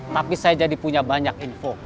tapi saya jadi punya banyak info